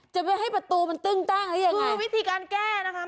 จะไม่ให้ประตูมันตึ้งตั้งหรือยังไงคือวิธีการแก้นะคะ